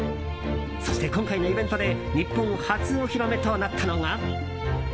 そして今回のイベントで日本初お披露目となったのが。